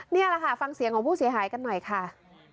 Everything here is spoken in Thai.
นี่แหละค่ะฟังเสียงของผู้เสียหายกันหน่อยค่ะ